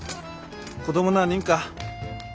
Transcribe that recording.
子供何人か？